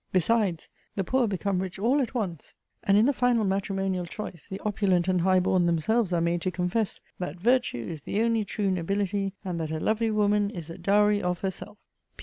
Besides, the poor become rich all at once; and in the final matrimonial choice the opulent and high born themselves are made to confess; that VIRTUE IS THE ONLY TRUE NOBILITY, AND THAT A LOVELY WOMAN IS A DOWRY OF HERSELF!!